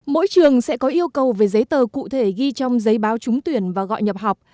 mỗi trường sẽ có yêu cầu về giấy tờ cụ thể ghi trong giấy báo trúng tuyển và gọi nhập học